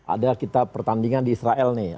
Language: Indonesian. ada kita pertandingan di israel nih